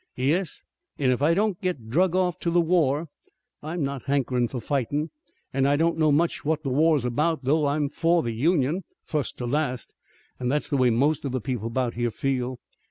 "Yes, if I don't get drug off to the war. I'm not hankerin' for fightin' an' I don't know much what the war's about though I'm for the Union, fust to last, an' that's the way most of the people 'bout here feel.